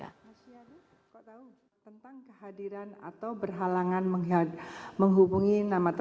mas yanti kau tahu tentang kehadiran atau berhalangan menghubungi